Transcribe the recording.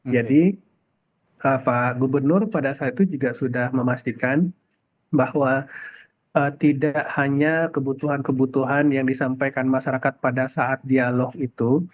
jadi pak gubernur pada saat itu juga sudah memastikan bahwa tidak hanya kebutuhan kebutuhan yang disampaikan masyarakat pada saat dialog itu